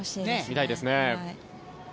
見たいですね。